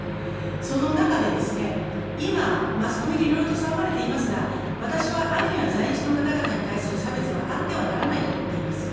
その中で、今、マスコミでいろいろと騒がれていますが、私はアイヌや在日の方々に対する差別はあってはならないと思っています。